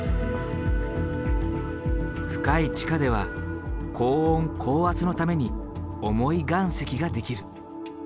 深い地下では高温高圧のために重い岩石ができる。